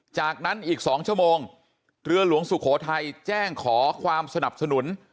จากนั้นอีก๒ชั่วโมงเรือหลวงสุโขทัยแจ้งขอความสนับสนุน